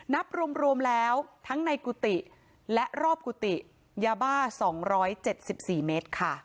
นับรวมรวมแล้วทั้งในกุฏิและรอบกุฏิยาบ้าสองร้อยเจ็ดสิบสี่เมตรค่ะ